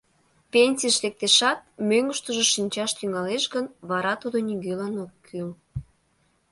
Пенсийыш лектешат, мӧҥгыштыжӧ шинчаш тӱҥалеш гын, вара тудо нигӧлан ок кӱл.